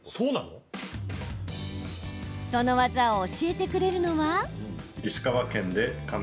その技を教えてくれるのは。